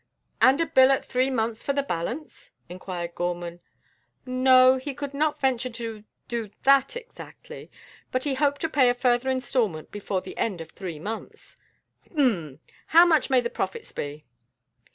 "And a bill at three months for the balance?" inquired Gorman. No, he could not venture to do that exactly, but he hoped to pay a further instalment before the end of three months. "Humph! How much may the profits be?"